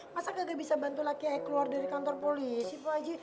masa kagak bisa bantu laki saya keluar dari kantor polisi pak haji